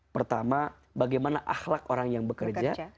pertama bagaimana akhlak orang yang bekerja